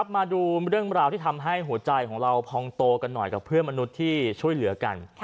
มาดูเรื่องราวที่ทำให้หัวใจของเราพองโตกันหน่อยกับเพื่อนมนุษย์ที่ช่วยเหลือกัน